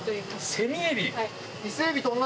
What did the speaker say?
セミエビ！